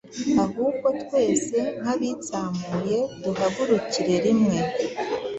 Ahubwo twese nk’abitsamuye duhagurukire rimwe